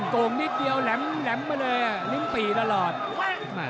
กงนิดเดียวแล้วหล้ำมาเลยเร็มปีนทุกที